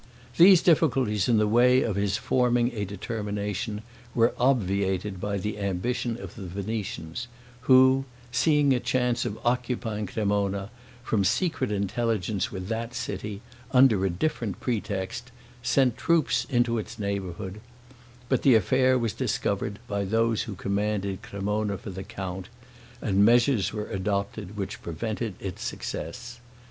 These difficulties in the way of his forming a determination, were obviated by the ambition of the Venetians, who, seeing a chance of occupying Cremona, from secret intelligence with that city, under a different pretext, sent troops into its neighborhood; but the affair was discovered by those who commanded Cremona for the count, and measures were adopted which prevented its success.